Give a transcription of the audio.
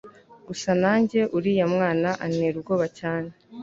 gusa nanjye uriya mwana antera ubwoba cyane